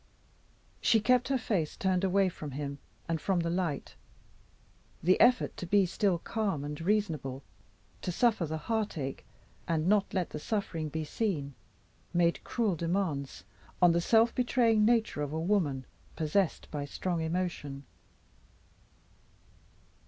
She kept her face turned away from him and from the light. The effort to be still calm and reasonable to suffer the heart ache, and not to let the suffering be seen made cruel demands on the self betraying nature of a woman possessed by strong emotion.